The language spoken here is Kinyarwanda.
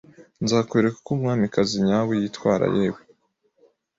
Nzakwereka uko umwamikazi nyawe yitwara, yewe